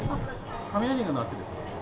雷が鳴って？